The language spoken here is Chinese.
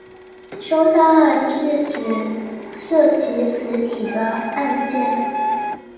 凶杀案是指涉及死体的案件。